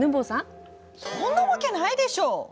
そんなわけないでしょ！